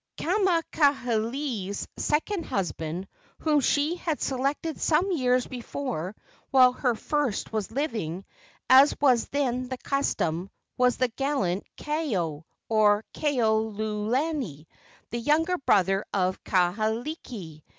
Kamakahelei's second husband, whom she had selected some years before while her first was living, as was then the custom, was the gallant Kaeo, or Kaeokulani, the younger brother of Kahekili.